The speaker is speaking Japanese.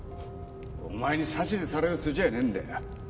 お前に指図される筋合いねえんだよ。